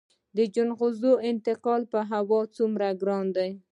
د جلغوزیو انتقال په هوا څومره ګران دی؟